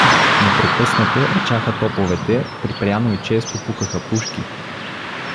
Непрекъснато ечаха топовете, припряно и често пукаха пушки.